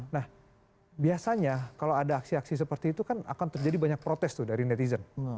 nah biasanya kalau ada aksi aksi seperti itu kan akan terjadi banyak protes tuh dari netizen